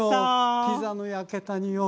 ピザの焼けたにおい。